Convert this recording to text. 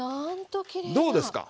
どうですか？